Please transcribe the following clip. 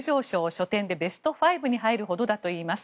書店でベスト５に入るほどだといいます。